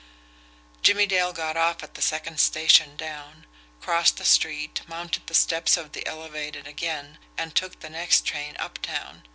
Jimmie Dale got off at the second station down, crossed the street, mounted the steps of the elevated again, and took the next train uptown.